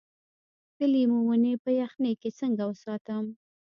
د لیمو ونې په یخنۍ کې څنګه وساتم؟